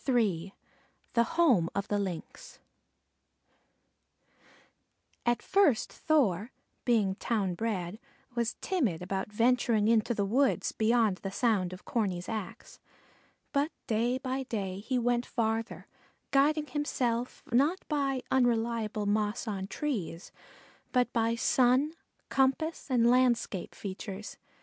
III THE HOME OF THE LYNX At first Thor, being town bred, was timid about venturing into the woods beyond the sound of Corney's axe; but day by day he went farther, guiding himself, not by unreliable moss on trees, but by sun, compass, and landscape features.